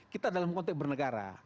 kita dalam konteks bernegara